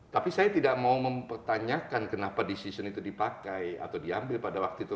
tapi saya tidak mau mempertanyakan kenapa decision itu dipakai atau diambil pada waktu itu